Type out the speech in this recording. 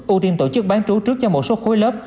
ưu tiên tổ chức bán trú trước cho một số khối lớp